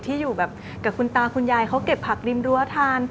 ที่อยู่แบบกับคุณตาคุณยายเขาเก็บผักริมรั้วทาน